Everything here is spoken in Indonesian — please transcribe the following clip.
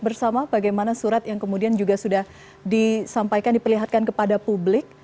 bersama bagaimana surat yang kemudian juga sudah disampaikan diperlihatkan kepada publik